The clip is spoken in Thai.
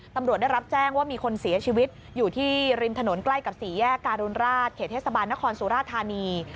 ตำรวจได้รับแจ้งว่ามีคนเสียชีวิตอยู่ที่ริมถนนใกล้กับสี่แยกการุณราชเขตเทศบาลนครสุราธานี